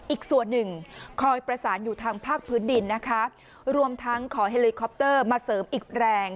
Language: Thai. อีกส่วนหนึ่งคอยประสานอยู่ทางภาคพื้นดินนะคะรวมทั้งขอเฮลิคอปเตอร์มาเสริมอีกแรง